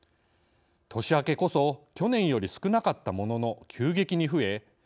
年明けこそ去年より少なかったものの急激に増え